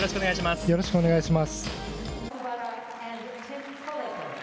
よろしくお願いします。